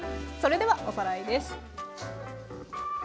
それではおさらいです。